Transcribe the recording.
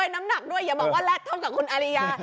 น้ำหนักด้วยอย่าบอกว่าแลดโทษกับคุณอาริยา